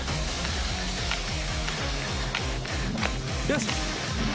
よし。